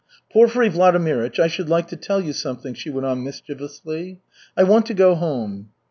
"Porfiry Vladimirych, I should like to tell you something," she went on mischievously. "I want to go home."